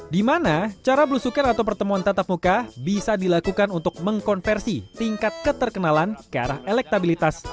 di mana cara belusukan atau pertemuan tatap muka bisa dilakukan untuk mengkonversi tingkat keterkenalan ke arah elektabilitas